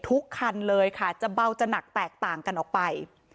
ทุกคันเลยค่ะจะเบาจะหนักแตกต่างกันออกไป